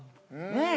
うん！